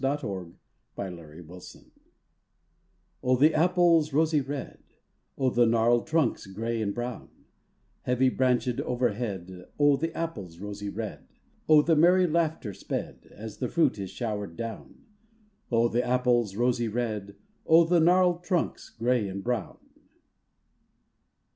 IN THE ORCHARD O the apples rosy red, O the gnarled trunks grey and brown, Heavy branchéd overhead; O the apples rosy red, O the merry laughter sped, As the fruit is showered down! O the apples rosy red, O the gnarled trunks grey and brown.